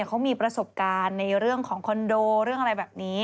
เขามีประสบการณ์ในเรื่องของคอนโดเรื่องอะไรแบบนี้